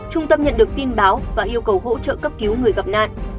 trung tâm nhận được tin báo và yêu cầu hỗ trợ cấp cứu người gặp nạn